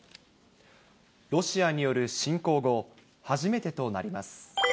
ロシアによる侵攻後、初めてとなります。